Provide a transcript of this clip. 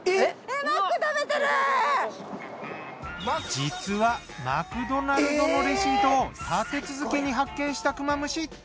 実はマクドナルドのレシートを立て続けに発見したクマムシ。